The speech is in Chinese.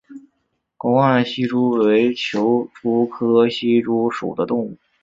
沟岸希蛛为球蛛科希蛛属的动物。